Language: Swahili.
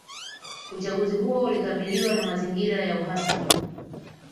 Uchaguzi huo ulikabiliwa na mazingira ya uhasama